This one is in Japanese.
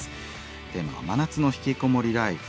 テーマは「真夏のひきこもりライフ」。